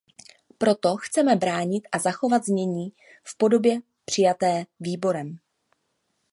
Proto chceme bránit a zachovat znění v podobě přijaté výborem.